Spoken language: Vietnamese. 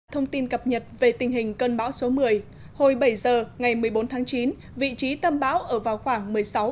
thông tin cập nhật về tình hình cơn bão số một mươi hồi bảy giờ ngày một mươi bốn tháng chín vị trí tâm bão ở vào khoảng